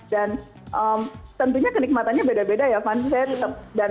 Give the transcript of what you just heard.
dan tentunya kenikmatannya beda beda ya